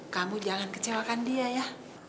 kamu jangan kecewakan dia ya